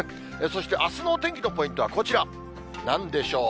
そしてあすのお天気のポイントはこちら、なんでしょう？